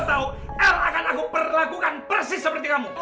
kalau sampai el tau el akan aku perlakukan persis seperti kamu